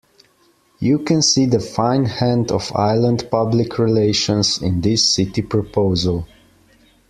You can see the fine hand of Island public relations in this City proposal.